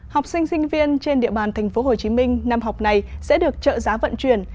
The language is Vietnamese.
học sinh sinh viên trên địa bàn tp hcm năm học này sẽ được trợ giá vận chuyển